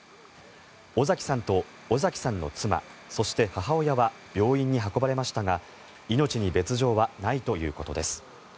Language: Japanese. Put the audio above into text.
尾碕さんと尾碕さんの妻そして、母親は病院に運ばれましたが命に別条はないということです。